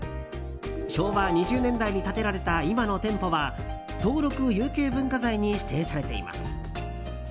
昭和２０年代に建てられた今の店舗は登録有形文化財に指定されています。